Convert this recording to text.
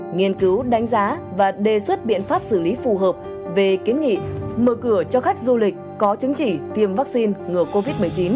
nghiên cứu đánh giá và đề xuất biện pháp xử lý phù hợp về kiến nghị mở cửa cho khách du lịch có chứng chỉ tiêm vaccine ngừa covid một mươi chín